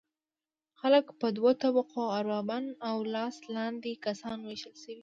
خلک په دوه طبقو اربابان او لاس لاندې کسان ویشل شوي وو.